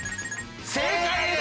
正解です。